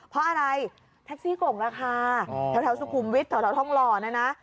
เพราะอะไรแท็กซี่โก่งราคาแถวสุขุมวิทย์แถวทองหล่อนะนะ